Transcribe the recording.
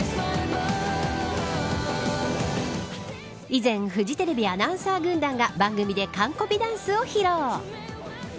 以前フジテレビアナウンサー軍団が番組で完コピダンスを披露。